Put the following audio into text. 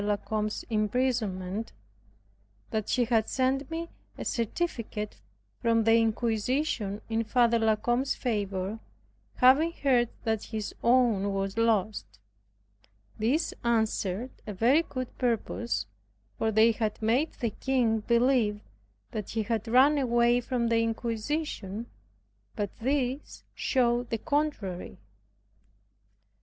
La Combe's imprisonment) that she had sent me a certificate from the inquisition in Father La Combe's favor, having heard that his own was lost. This answered a very good purpose; for they had made the king believe that he had run away from the inquisition; but this showed the contrary.